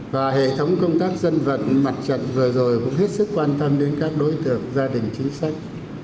và hệ thống công tác dân vận mặt trận vừa rồi cũng hết sức quan tâm đến các đối tượng gia đình chính sách